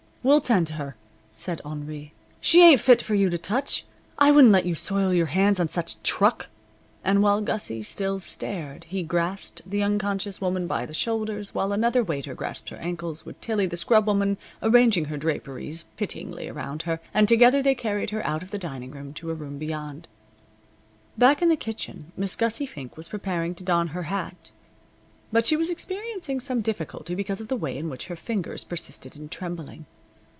"We'll tend to her," said Henri; "she ain't fit for you to touch. I wouldn't let you soil your hands on such truck." And while Gussie still stared he grasped the unconscious woman by the shoulders, while another waiter grasped her ankles, with Tillie, the scrub woman, arranging her draperies pityingly around her, and together they carried her out of the dining room to a room beyond. Back in the kitchen Miss Gussie Fink was preparing to don her hat, but she was experiencing some difficulty because of the way in which her fingers persisted in trembling.